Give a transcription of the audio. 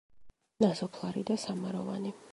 ნასოფლარი და სამაროვანი.